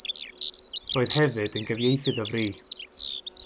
Roedd hefyd yn gyfieithydd o fri.